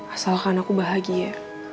asalkan aku bahagia